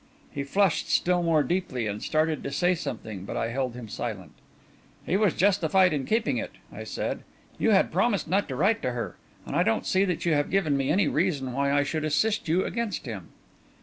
He flushed still more deeply, and started to say something, but I held him silent. "He was justified in keeping it," I said. "You had promised not to write to her. And I don't see that you have given me any reason why I should assist you against him."